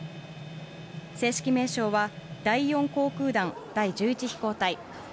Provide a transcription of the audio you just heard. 正式名称は、第４航空団第１１飛行隊。